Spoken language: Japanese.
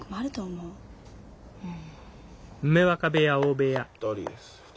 うん。